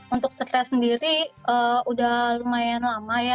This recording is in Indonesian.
untuk stres sendiri udah lumayan lama ya